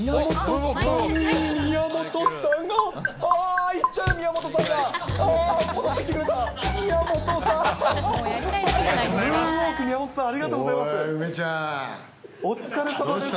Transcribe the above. ムーンウォーク、宮本さん、ありがとうございます。